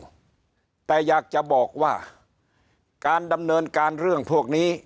แต่อยากจะบอกว่าการดำเนินการเรื่องพวกนี้